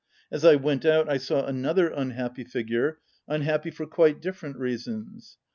As I went out I saw another unhappy figure, unhappy for quite different reasons.